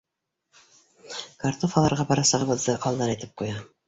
Картуф алырға барасағыбыҙҙы алдан әйтеп ҡуя.